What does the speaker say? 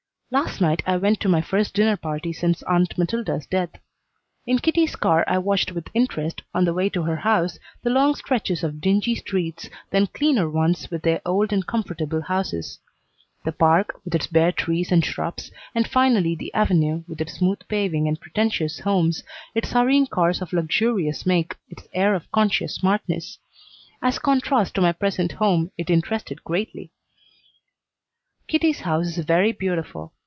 Last night I went to my first dinner party since Aunt Matilda's death. In Kitty's car I watched with interest, on the way to her house, the long stretches of dingy streets, then cleaner ones, with their old and comfortable houses; the park, with its bare trees and shrubs, and finally the Avenue, with its smooth paving and pretentious homes, its hurrying cars of luxurious make, its air of conscious smartness. As contrast to my present home it interested greatly. Kitty's house is very beautiful.